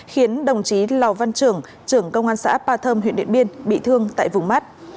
khiến đồng chí lò văn trưởng trưởng công an xã ba thơm huyện điện biên bị thương tại vùng mắt